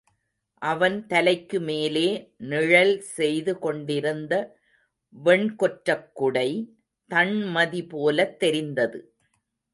அவன் தலைக்குமேலே நிழல் செய்து கொண்டிருந்த, வெண்கொற்றக்குடை, தண்மதி போலத் தெரிந்தது.